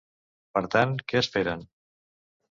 Per tant, què esperen?